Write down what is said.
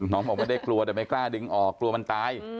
บอกไม่ได้กลัวแต่ไม่กล้าดึงออกกลัวมันตาย